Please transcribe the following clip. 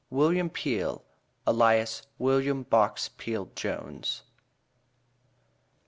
WILLIAM PEEL, ALIAS WILLIAM BOX PEEL JONES.